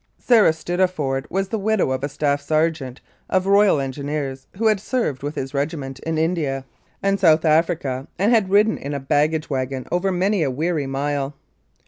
Sarah Stutta ford was the widow of a staff sergeant of Royal Engineers, who had served with his regiment in India 117 Mounted Police Life in Canada and South Africa, and had ridden in a baggage wagon over many a weary mile.